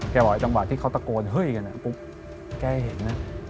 แกบอกว่าจังหวะที่เขาตะโกนเฮ้ยกันแกเห็นนะ